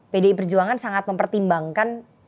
pdi perjuangan sangat mempertimbangkan